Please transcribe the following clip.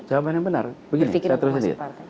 jawaban yang benar begini saya terus saja